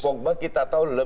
pogba kita tahu